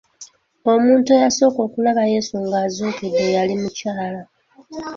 Omuntu eyasooka okulaba Yesu nga azuukidde yali mukyala.